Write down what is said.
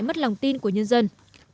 hại mất lòng tin của nhân dân